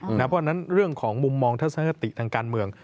เพราะฉะนั้นเรื่องของมุมมองทัศนคติทางการเมือง